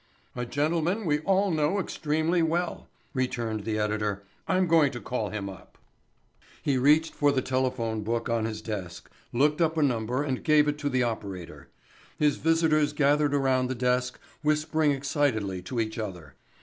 "A gentleman we all know extremely well," returned the editor. "I'm going to call him up." He reached for the telephone book on his desk, looked up a number and gave it to the operator. His visitors gathered around his desk whispering excitedly to each other.